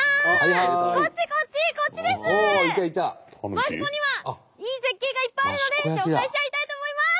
益子にはいい絶景がいっぱいあるので紹介しちゃいたいと思います！